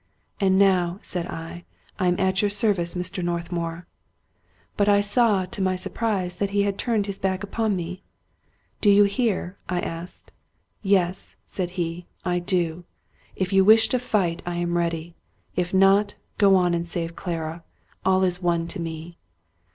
" And now," said I, " I am at your service, Mr. North mour." But I saw, to my surprise, that he had turned his back upon me. " Do you hear? " I asked. " Yes," said he, " I do. If you wish to fight, I am ready. If not, go on and save Clara. All is one to me."